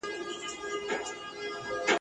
خاونده څه سول د ښار ښاغلي ..